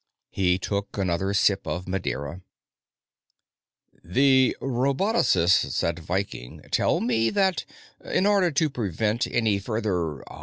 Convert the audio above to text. He took another sip of Madeira. "The robotocists at Viking tell me that, in order to prevent any further